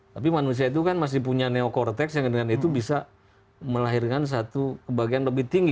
tapi manusia itu kan masih punya neokortex yang dengan itu bisa melahirkan satu kebahagiaan lebih tinggi